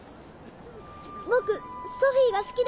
僕ソフィーが好きだ